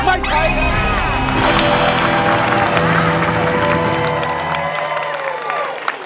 ไม่ใช้ค่ะ